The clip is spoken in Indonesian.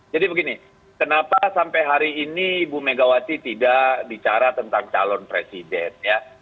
jadi begini kenapa sampai hari ini ibu megawati tidak bicara tentang calon presiden ya